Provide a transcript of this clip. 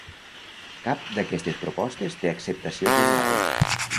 Cap d'aquestes propostes té acceptació general.